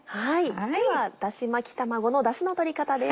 ではだし巻き卵のだしのとり方です。